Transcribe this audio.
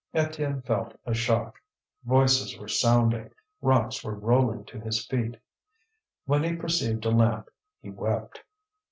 Étienne felt a shock. Voices were sounding, rocks were rolling to his feet. When he perceived a lamp he wept.